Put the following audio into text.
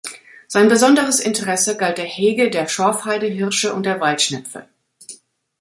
Sein besonderes Interesse galt der Hege der Schorfheide-Hirsche und der Waldschnepfe.